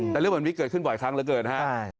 แต่เรื่องบรรวิกเกิดขึ้นบ่อยครั้งละเกินฮะ